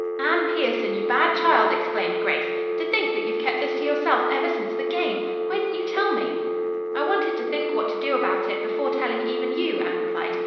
'" "Anne Pierson, you bad child!" exclaimed Grace. "To think that you've kept this to yourself ever since the game. Why didn't you tell me?" "I wanted to think what to do about it, before telling even you," Anne replied.